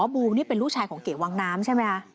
บูนี่เป็นลูกชายของเก๋วังน้ำใช่ไหมคะ